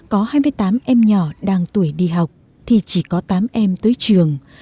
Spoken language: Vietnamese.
có hai mươi tám em nhỏ đang tuổi đi học thì chỉ có tám em tới trường